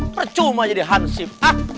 percuma jadi hansip